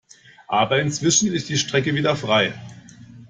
Aber inzwischen ist die Strecke wieder frei.